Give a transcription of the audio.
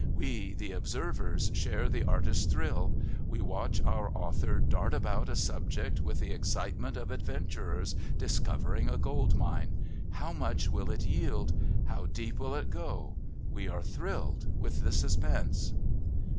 We, the observers, share the artist's thrill. We watch our author dart upon a subject with the excitement of adventurers discovering a gold mine. How much will it yield? How deep will it go? We are thrilled with the suspense.